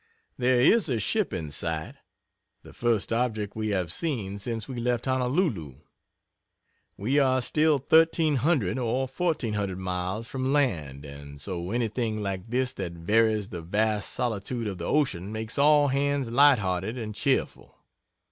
There is a ship in sight the first object we have seen since we left Honolulu. We are still 1300 or 1400 miles from land and so anything like this that varies the vast solitude of the ocean makes all hands light hearted and cheerful.